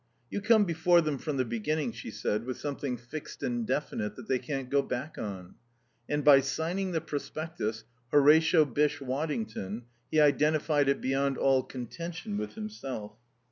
"You come before them from the beginning," she said, "with something fixed and definite that they can't go back on." And by signing the prospectus, Horatio Bysshe Waddington, he identified it beyond all contention with himself.